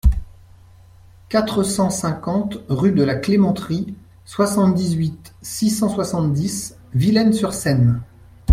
quatre cent cinquante rue de la Clémenterie, soixante-dix-huit, six cent soixante-dix, Villennes-sur-Seine